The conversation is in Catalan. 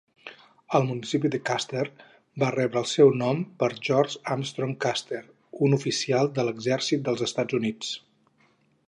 El municipi de Custer va rebre el seu nom per George Armstrong Custer, un oficial de l'exèrcit dels Estats Units.